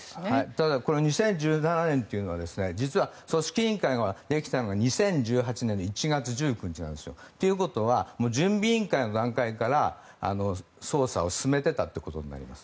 ただこの２０１７年というのは実は、組織委員会ができたのが２０１８年の１月１９日なんですよ。ということは準備委員会の段階から捜査を進めていたということになります。